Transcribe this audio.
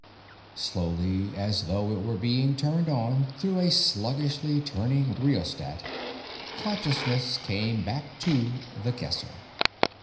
Slowly, as though it were being turned on through a sluggishly turning rheostat, consciousness came back to The Guesser.